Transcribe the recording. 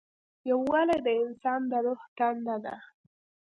یووالی د انسان د روح تنده ده.